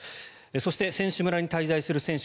そして選手村に滞在する選手